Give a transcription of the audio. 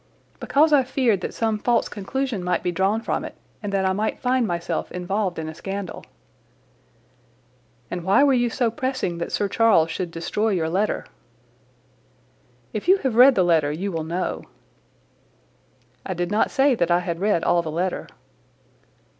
"Because I feared that some false conclusion might be drawn from it and that I might find myself involved in a scandal." "And why were you so pressing that Sir Charles should destroy your letter?" "If you have read the letter you will know." "I did not say that I had read all the letter."